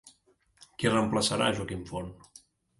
Qui reemplaçarà Joaquim Forn?